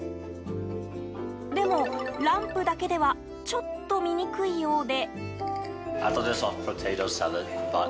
でも、ランプだけではちょっと見にくいようで。